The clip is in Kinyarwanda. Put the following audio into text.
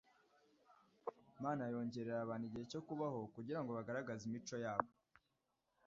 Imana yongerera abantu igihe cyo kubaho kugira ngo bagaragaze imico yabo